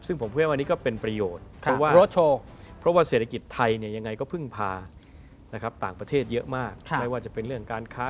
ซึ่งผมคิดว่านี่ก็เป็นประโยชน์เพราะว่าเศรษฐกิจไทยยังไงก็พึ่งพาต่างประเทศเยอะมาก